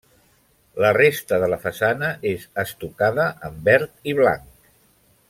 La resta de la façana és estucada en verd i blanc.